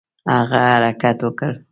هغه حرکت وکړ.